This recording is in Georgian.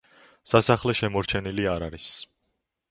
სასახლე შემორჩენილი არ არის.